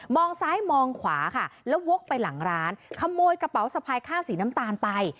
ซ้ายมองขวาค่ะแล้ววกไปหลังร้านขโมยกระเป๋าสะพายข้างสีน้ำตาลไป